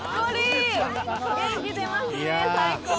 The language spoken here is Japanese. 元気出ますね、最高。